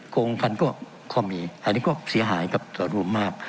โกงพันธุ์ก็ความมีอันนี้ก็เสียหายกับตัวรวมมาก